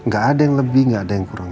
gak ada yang lebih nggak ada yang kurang